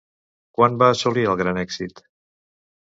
Quan va assolir el gran èxit?